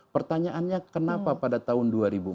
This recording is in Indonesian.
pertanyaannya kenapa pada tahun dua ribu empat belas